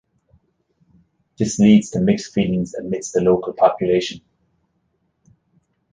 This leads to mixed feelings amidst the local population.